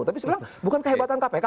tapi sebenarnya bukan kehebatan kpk